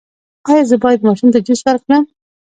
ایا زه باید ماشوم ته جوس ورکړم؟